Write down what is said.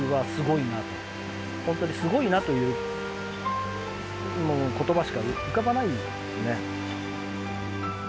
本当にすごいなというもう言葉しか浮かばないですね。